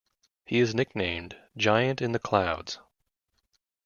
He is nicknamed "Giant in the Clouds".